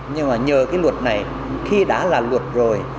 nhưng mà nhờ cái luật này khi đã là luật rồi